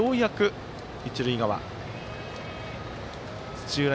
土浦